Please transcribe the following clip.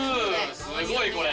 すごい、これ。